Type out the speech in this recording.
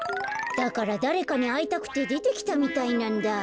だからだれかにあいたくてでてきたみたいなんだ。